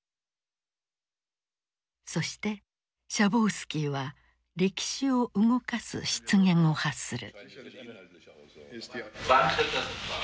そしてシャボウスキーは歴史を動かす失言を発する。